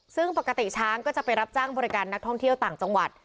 ซึ่งปกติช้างก็จะไปรับจ้างบริการนักท่องเที่ยวต่างจังหวัด